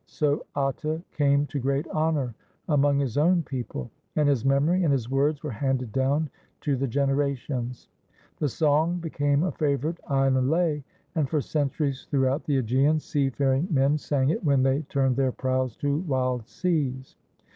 So Atta came to great honor among his own people, and his memory and his words were handed down to the genera tions. The song became a favorite island lay, and for centuries throughout the ^gean seafaring men sang it when they turned their prows to wild seas.